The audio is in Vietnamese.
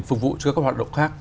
phục vụ cho các hoạt động khác